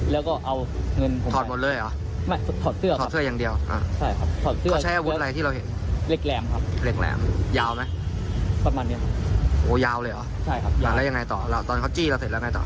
ตอนเขาจี้เราเสร็จแล้วไงต่อ